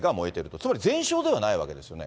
つまり全焼ではないわけですよね。